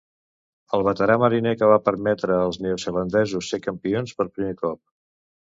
el veterà mariner que va permetre als neozelandesos ser campions per primer cop